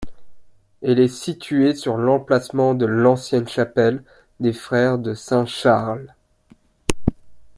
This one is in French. Elle est située sur l'emplacement de l'ancienne chapelle des Frères de Saint-Charles.